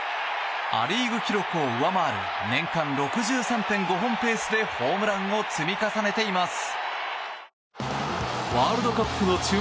ア・リーグ記録を上回る年間６３．５本ペースでホームランを積み重ねています。